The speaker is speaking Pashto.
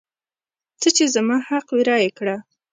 څه چې زما حق وي رایې کړه.